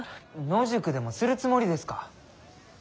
野宿でもするつもりですか？